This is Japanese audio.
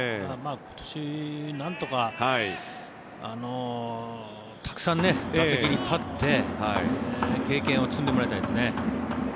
今年、なんとかたくさん打席に立って経験を積んでもらいたいですね。